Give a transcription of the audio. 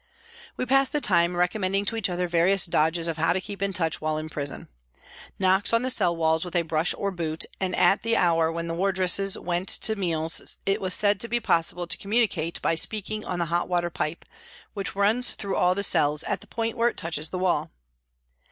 We passed the time recommending to each other various dodges of how to keep in touch while in prison. Knocks on the cell walls with a brush or boot, and at the hour when the wardresses went to meals it was said to be possible to communicate by speaking on the hot water pipe, which runs through all the cells, at the point where it touches the wall.